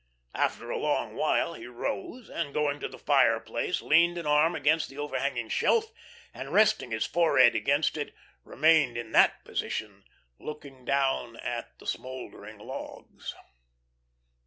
After a long while he rose, and going to the fireplace, leaned an arm against the overhanging shelf, and resting his forehead against it, remained in that position, looking down at the smouldering logs.